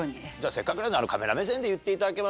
せっかくなんでカメラ目線で言っていただけますか。